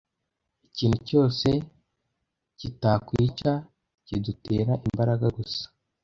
Ikintu cyose kitatwica kidutera imbaraga gusa.